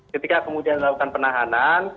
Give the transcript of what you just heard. ketika kemudian dilakukan penahanan